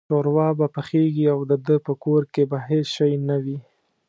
شوروا به پخېږي او دده په کور کې به هېڅ شی نه وي.